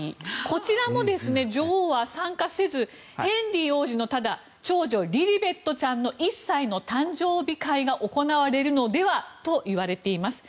こちらも女王は参加せずヘンリー王子の長女リリベットちゃんの１歳の誕生日会が行われるのではといわれています。